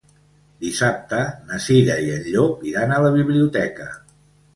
Dissabte na Cira i en Llop iran a la biblioteca.